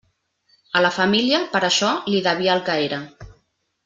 A la família, per això, li devia el que era.